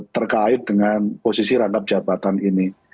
terkait dengan posisi rangkap jabatan ini